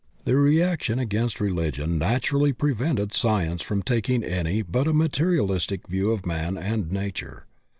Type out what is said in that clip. The reaction against religicwi naturally prevented science from taking any but a materialistic view of man and nature.